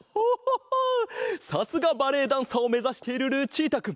さすがバレエダンサーをめざしているルチータくん。